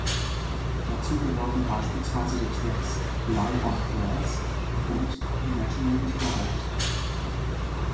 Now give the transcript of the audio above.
Dazu gehören beispielsweise die Tracks "Lie on Grass" und "Imaginary Product".